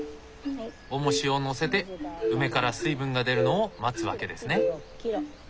おもしを載せて梅から水分が出るのを待つ訳ですね。